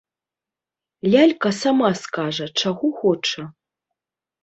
Лялька сама скажа, чаго хоча.